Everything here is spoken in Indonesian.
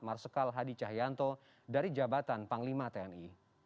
marsikal hadi cahyanto dari jabatan panglima tni